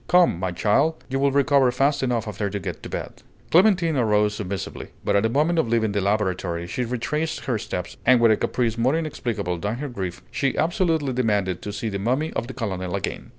Come, my child; you will recover fast enough after you get to bed." Clémentine arose submissively; but at the moment of leaving the laboratory she retraced her steps, and with a caprice more inexplicable than her grief, she absolutely demanded to see the mummy of the colonel again.